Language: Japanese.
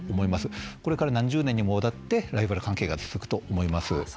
これから何十年にもわたってライバル関係が続くと思います。